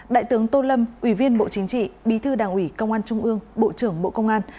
đại tướng tô lâm ủy viên bộ chính trị bí thư đảng ủy công an trung ương bộ trưởng bộ công an